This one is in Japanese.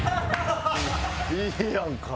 いいやんか。